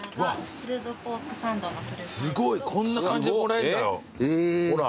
すごいこんな感じでもらえんだよほら。